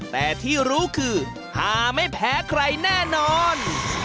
แต่ที่รู้คือหาไม่แพ้ใครแน่นอน